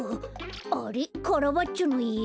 あれっカラバッチョのいえ？